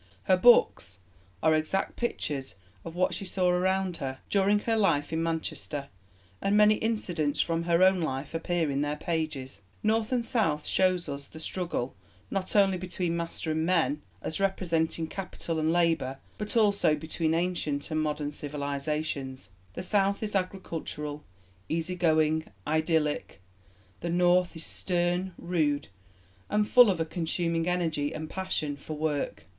Her books are exact pictures of what she saw around her during her life in Manchester, and many incidents from her own life appear in their pages. North and South shows us the struggle not only between master and men, as representing capital and labour, but also between ancient and modern civilizations. The South is agricultural, easy going, idyllic; the North is stern, rude, and full of a consuming energy and passion for work.